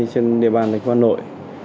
trên địa bàn lịch văn nội